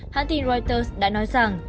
hãng tin reuters đã nói rằng